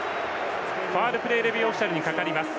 ファウルプレーオフィシャルにかかります。